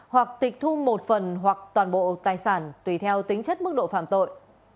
hoặc tịch thu một phần hoặc toàn bộ tài sản tùy theo tính chất mức độ phạm tội